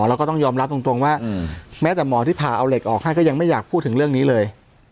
เราก็ต้องยอมรับตรงว่าแม้แต่หมอที่ผ่าเอาเหล็กออกให้ก็ยังไม่อยากพูดถึงเรื่องนี้เลย